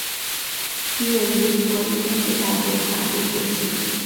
毕业于国立政治大学法律学系。